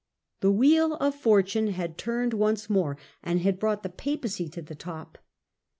The wheel of fortune had turned once more, and had brought the Papacy to the top.